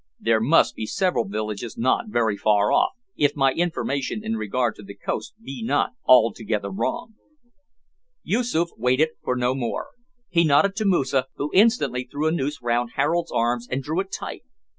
There must be several villages not very far off, if my information in regard to the coast be not altogether wrong." Yoosoof waited for no more. He nodded to Moosa, who instantly threw a noose round Harold's arms, and drew it tight.